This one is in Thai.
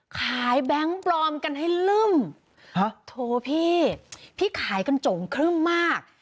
ขายแบงค์ปลอมกันให้ลืมโทษพี่พี่ขายกันโจมครึ่มมาก